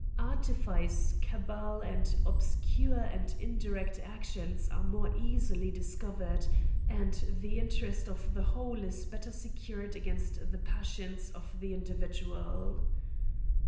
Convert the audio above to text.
Artifice, cabal, and ob* scure and indirect acti(jns are more easily disco ver'ed, and the interest of the whole is better secu red against the passions of the individual.